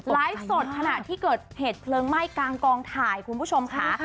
ไลฟ์สดขณะที่เกิดเหตุเพลิงไหม้กลางกองถ่ายคุณผู้ชมค่ะ